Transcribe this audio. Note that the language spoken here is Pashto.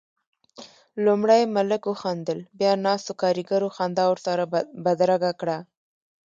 لومړی ملک وخندل، بيا ناستو کاريګرو خندا ورسره بدرګه کړه.